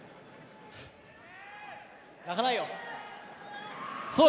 泣かないよ！